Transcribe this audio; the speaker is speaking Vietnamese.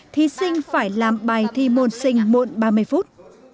thí sinh phải làm bài thi môn sinh muộn ba mươi phút